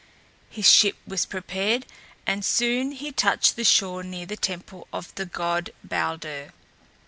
His ship was prepared and soon he touched the shore near the temple of the god Balder.